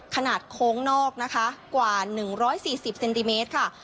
ขนาดโค้งนอกกว่า๑๔๐เซนติเมตรครับ